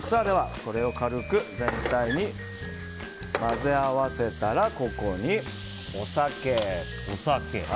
では、これを軽く全体に混ぜ合わせたらここにお酒。